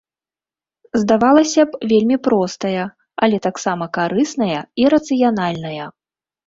Здавалася б, вельмі простая, але таксама карысная і рацыянальная.